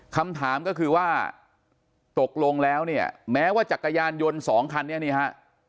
คำถามก็คือว่าตกลงแล้วเนี่ยแม้ว่าจักรยานยนต์สองคันนี้นี่ฮะ